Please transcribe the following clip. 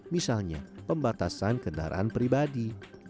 misalnya pembatasan kendaraan pribadi